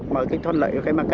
mở kích thuận lợi của cây macca